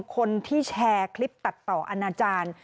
คนที่แชร์คลิปตัดต่ออาณาจารย์